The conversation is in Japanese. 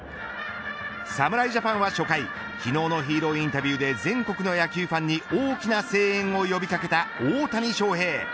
侍ジャパンは初回昨日のヒーローインタビューで全国の野球ファンに大きな声援を呼び掛けた大谷翔平。